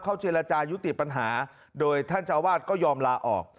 เจรจายุติปัญหาโดยท่านเจ้าวาดก็ยอมลาออก